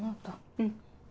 うん。